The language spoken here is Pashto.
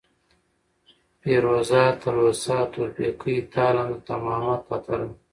پېروزه ، تلوسه ، تورپيکۍ ، تالنده ، تمامه ، تاتره ،